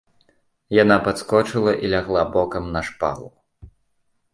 Яна падскочыла і лягла бокам на шпалу.